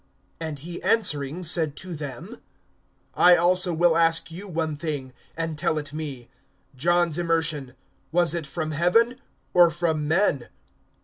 (3)And he answering said to them: I also will ask you one thing; and tell it me. (4)John's immersion, was it from heaven, or from men?